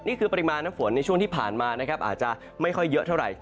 นี่คือปริมาณน้ำฝนในช่วงที่ผ่านมานะครับอาจจะไม่ค่อยเยอะเท่าไหร่